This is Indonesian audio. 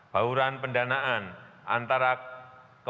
bauran pendanaan antarabangsa